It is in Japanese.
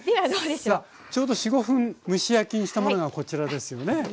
ちょうど４５分蒸し焼きにしたものがこちらですよね。